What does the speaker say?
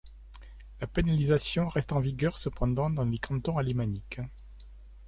La pénalisation reste en vigueur cependant dans les cantons alémaniques.